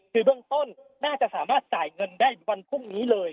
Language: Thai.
คือเบื้องต้นน่าจะสามารถจ่ายเงินได้วันพรุ่งนี้เลย